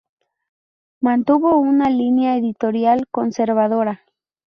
Mantuvo una línea editorial conservadora.